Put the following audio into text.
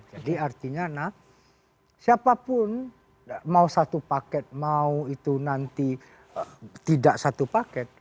jadi artinya siapapun mau satu paket mau itu nanti tidak satu paket